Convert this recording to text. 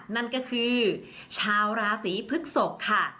นั่นก็คือชาวราศีพฤกษกค่ะ